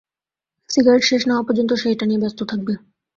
Cigarette শেষ না হওয়া পর্যন্ত সে এটা নিয়ে ব্যস্ত থাকবে।